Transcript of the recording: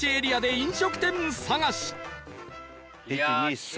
１２３。